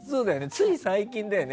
つい最近だよね。